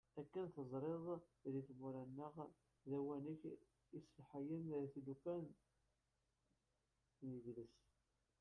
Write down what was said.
Akken teẓriḍ, di tmurt-nneɣ, d awanek i yesselḥayen tilufa n yidles.